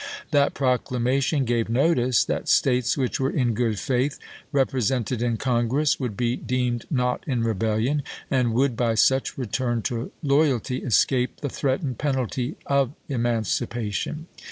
That proclamation gave notice that States which were in good faith represented in Congress would be deemed not in rebellion, and would, by such return to loyalty, escape the threatened penalty of eman cipation.